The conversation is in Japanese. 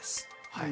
はい